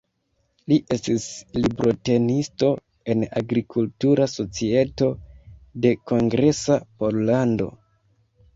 Li estis librotenisto en Agrikultura Societo de Kongresa Pollando.